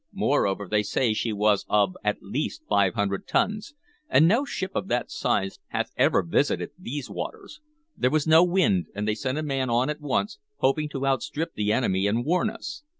Moreover, they say she was of at least five hundred tons, and no ship of that size hath ever visited these waters. There was no wind, and they sent a man on at once, hoping to outstrip the enemy and warn us.